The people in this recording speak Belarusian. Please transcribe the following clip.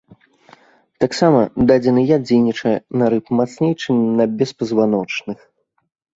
Таксама дадзены яд дзейнічае на рыб мацней, чым на беспазваночных.